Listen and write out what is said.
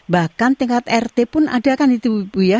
bahkan tingkat rt pun ada kan di ibu ibu ya